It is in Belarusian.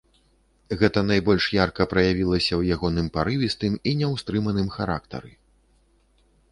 Гэта найбольш ярка праявілася ў ягоным парывістым і няўстрыманым характары.